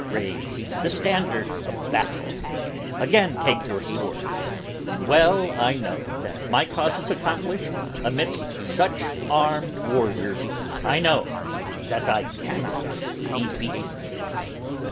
Raise the standard of battle; Again take your swords. Well I know that my cause is accomplished Amidst such armed warriors I know that I cannot be beaten.